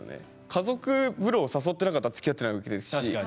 家族風呂を誘ってなかったらつきあってないわけですし。